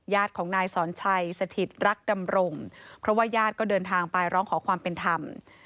ญาติของนายสอนชัยสถิตรักดำรงเพราะว่าญาติก็เดินทางไปร้องขอความเป็นธรรม